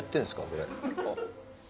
これ。